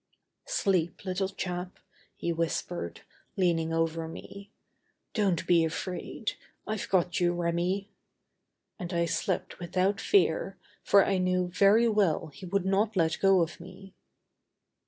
"Sleep, little chap," he whispered, leaning over me; "don't be afraid. I've got you, Remi." And I slept without fear, for I knew very well he would not let go of me.